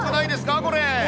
これ。